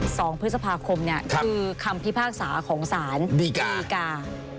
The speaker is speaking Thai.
ส่องพฤษภาคมคือคำพิพากษาของสารดีกา